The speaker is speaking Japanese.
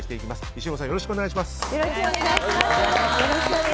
石黒さん、よろしくお願いします。